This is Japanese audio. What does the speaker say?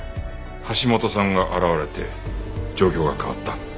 橋本さんが現れて状況が変わった。